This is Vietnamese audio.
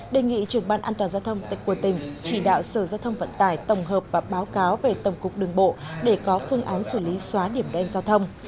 đề nghị trường ban an toàn giao thông tịch của tỉnh chỉ đạo sở giao thông vận tải tổng hợp và báo cáo về tổng cục đường bộ để có phương án xử lý xóa điểm đen giao thông